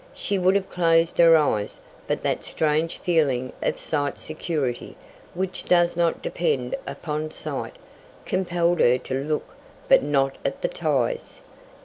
She would have closed her eyes, but that strange feeling of sight security, which does not depend upon sight, compelled her to look but not at the ties.